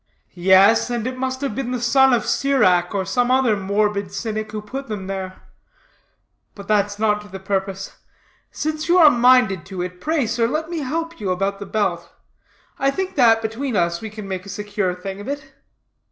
"Yes, and it must have been the Son of Sirach, or some other morbid cynic, who put them there. But that's not to the purpose. Since you are minded to it, pray, sir, let me help you about the belt. I think that, between us, we can make a secure thing of it."